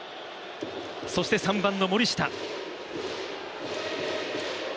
そして３番の森下。